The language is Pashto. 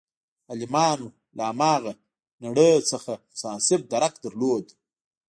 عالمانو له هماغه نړۍ څخه مناسب درک درلود.